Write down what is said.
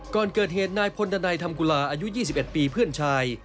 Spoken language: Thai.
ก่อนเกิดเหตุนายพลดันัยทำกุลาอายุ๒๑ปีเพื่อนชาย